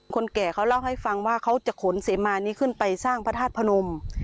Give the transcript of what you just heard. แก่เขาเล่าให้ฟังว่าเขาจะขนเสมานี้ขึ้นไปสร้างพระธาตุพนม